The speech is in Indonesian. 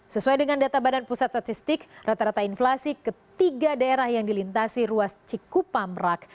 sesuai dengan data badan pusat statistik rata rata inflasi ke tiga daerah yang dilintasi ruas cikupamrak